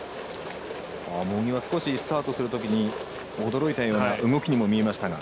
茂木はスタートするときに驚いたような動きにも見えましたが。